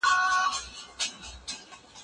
د هیواد په ادارو کې رشوت عام شوی و.